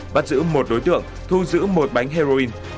bắt giữ một đối tượng thu giữ một bánh heroin